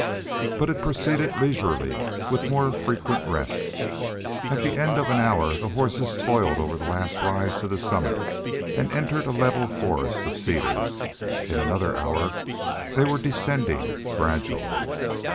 But it proceeded leisurely, with more frequent rests. At the end of an hour the horses toiled over the last rise to the summit and entered a level forest of cedars; in another hour they were descending gradually.